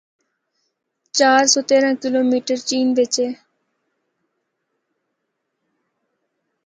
چار سو تیرہ کلومیٹر چین بچ ہے۔